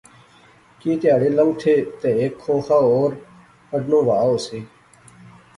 کی تہارے لنگتھے تہ ہیک کھوخا ہور اڈنوں وہا ہوسی